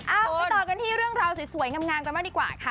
เอาไปต่อกันที่เรื่องราวสวยงามกันบ้างดีกว่าค่ะ